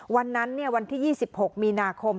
วันนั้นเนี่ยวันที่๒๖มีนาคม